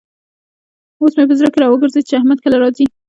اوس مې په زړه کې را وګرزېد چې احمد کله راځي.